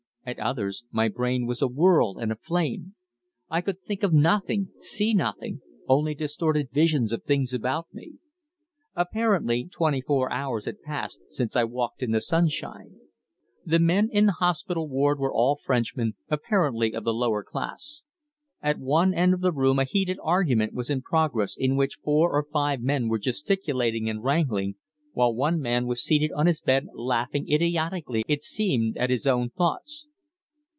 At others my brain was awhirl and aflame. I could think of nothing, see nothing only distorted visions of things about me. Apparently twenty four hours had passed since I walked in the sunshine. The men in the hospital ward were all Frenchmen, apparently of the lower class. At one end of the room a heated argument was in progress in which four or five men were gesticulating and wrangling, while one man was seated on his bed laughing idiotically, it seemed, at his own thoughts.